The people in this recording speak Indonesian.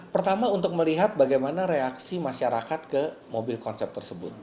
pertama untuk melihat bagaimana reaksi masyarakat ke mobil konsep tersebut